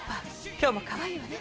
今日もかわいいわね